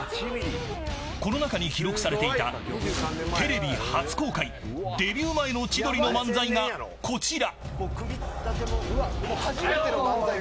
この中に記録されていたテレビ初公開デビュー前の千鳥の漫才がこちら。